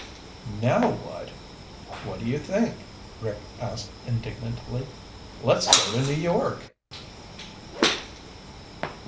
"Now what! What do you think?" Rick asked indignantly. "Let's go to New York!"